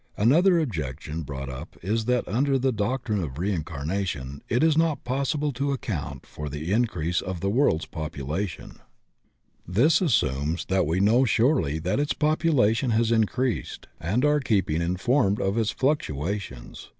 Another objection brought up is that under the doc trine of reincarnation it is not possible to account for the increase of the world's population. This as INCREASE OR DECREASE IN POPULATION 77 sumes that we know surely that its population has increased and are keeping informed of its fluctuations.